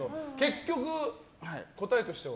結局、答えとしては？